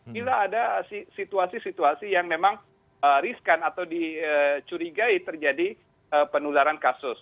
bila ada situasi situasi yang memang riskan atau dicurigai terjadi penularan kasus